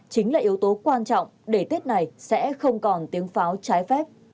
chính là yếu tố quan trọng để tiết này sẽ không còn tiếng pháo trái phép